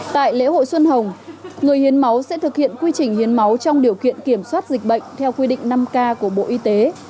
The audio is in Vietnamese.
tại lễ hội xuân hồng người hiến máu sẽ thực hiện quy trình hiến máu trong điều kiện kiểm soát dịch bệnh theo quy định năm k của bộ y tế